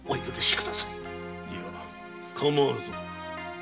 いやかまわぬぞ。